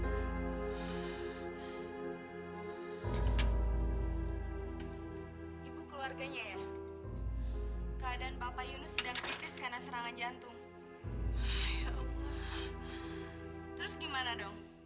hai ibu keluarganya ya keadaan papa yunus sedang kritis karena serangan jantung terus gimana dong